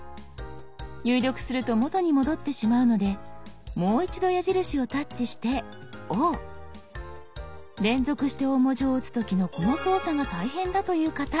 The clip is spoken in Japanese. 入力すると元に戻ってしまうのでもう一度矢印をタッチして「Ｏ」。連続して大文字を打つ時のこの操作が大変だという方